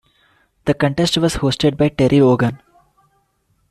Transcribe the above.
The contest was hosted by Terry Wogan.